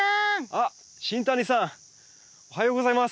あっ新谷さん！おはようございます！